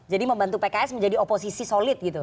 jadi membantu pks menjadi oposisi solid gitu